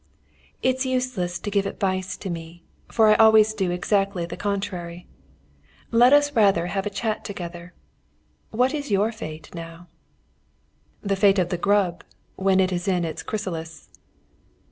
"It's useless to give advice to me, for I always do exactly the contrary. Let us rather have a chat together. What is your fate, now?" "The fate of the grub when it is in its chrysalis."